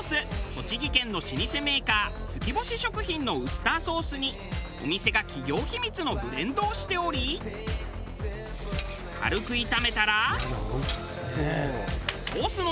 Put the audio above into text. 栃木県の老舗メーカー月星食品のウスターソースにお店が企業秘密のブレンドをしており軽く炒めたら。